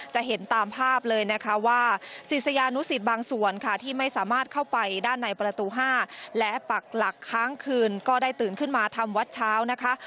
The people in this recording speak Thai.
จะเห็นตามภาพเลยนะคะว่าศิษยานุสิตบางส่วนค่ะที่ไม่สามารถเข้าไปด้านในประตู๕และปักหลักค้างคืนก็ได้ตื่นขึ้นมาทำวัดเช้านะคะ